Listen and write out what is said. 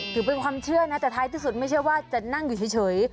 ถือเป็นความเชื่อนะแต่ท้ายที่สุดไม่ใช่ว่าจะนั่งอยู่เฉย